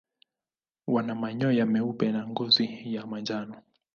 Wana manyoya meupe na ngozi ya manjano.